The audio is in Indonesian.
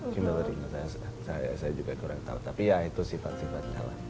humility nya saya juga kurang tahu tapi ya itu sifat sifatnya lah